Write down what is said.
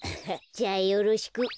じゃあよろしく。